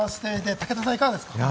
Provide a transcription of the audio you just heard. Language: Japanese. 武田さん、いかがですか？